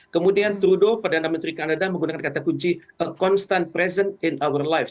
kemudian trudeau perdana menteri kanada menggunakan kata kunci a constant present in our lives